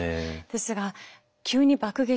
ですが急に爆撃。